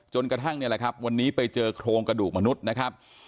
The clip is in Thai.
กระทั่งนี่แหละครับวันนี้ไปเจอโครงกระดูกมนุษย์นะครับ